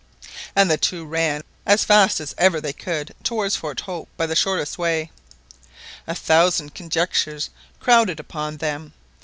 And the two ran as fast as ever they could towards Fort Hope by the shortest way. A thousand conjectures crowded upon them.